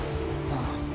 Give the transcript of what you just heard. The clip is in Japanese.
ああ。